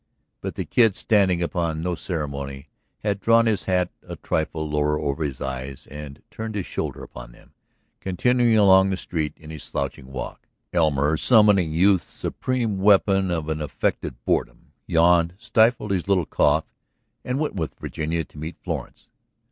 But the Kid, standing upon no ceremony, had drawn his hat a trifle lower over his eyes and turned his shoulder upon them, continuing along the street in his slouching walk. Elmer, summoning youth's supreme weapon of an affected boredom, yawned, stifled his little cough and went with Virginia to meet Florence.